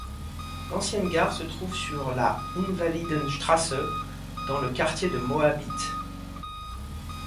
L'ancienne gare se trouve sur la Invalidenstraße, dans le quartier de Moabit.